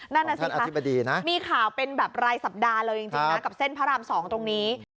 นั่นน่ะสิอธิบดีนะมีข่าวเป็นแบบรายสัปดาห์เลยจริงนะกับเส้นพระราม๒ตรงนี้